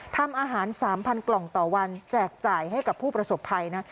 ทำอาหาร๓๐๐กล่องต่อวันแจกจ่ายให้กับผู้ประสบภัยนะ